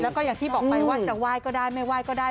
แล้วก็อย่างที่บอกไปว่าจะไหว้ก็ได้ไม่ไหว้ก็ได้